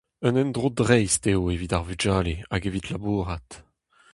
Un endro dreist eo evit ar vugale hag evit labourat.